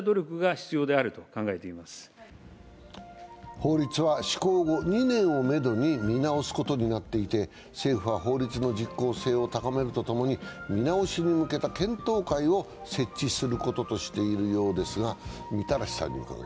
法律は施行後２年をめどに見直すことになっていて、政府は法律の実効性を高めるとともに、見直しに向けた検討会を設置することとしているようです。